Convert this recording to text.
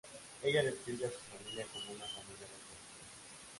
Ella describe a su familia como una "familia deportiva".